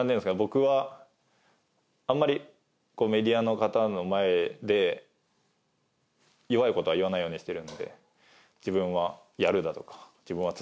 僕はあんまりメディアの方の前で弱い事は言わないようにしてるので。